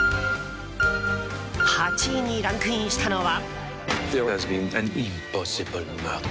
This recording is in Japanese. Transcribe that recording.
８位にランクインしたのは。